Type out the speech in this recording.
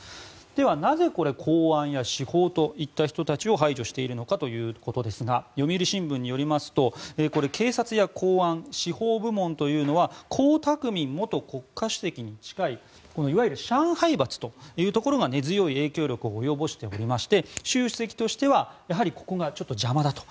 では、なぜこれ公安や司法といった人たちを排除しているのかということですが読売新聞によりますとこれ、警察や公安司法部門というのは江沢民元国家主席に近いいわゆる上海閥というところが根強い影響力を及ぼしておりまして習主席としてはやはりここが邪魔だと。